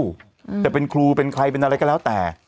จะเป็นครูเป็นใครเป็นอะไรก็แล้วแต่